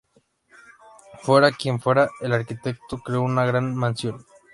Fuera quien fuera el arquitecto, creó una gran mansión.